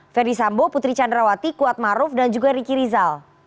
ferdis sambo putri candrawati kuatmaruf dan juga riki riza